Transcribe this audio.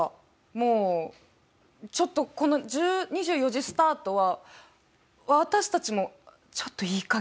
もうちょっとこの２４時スタートは私たちもちょっといいかげんにして。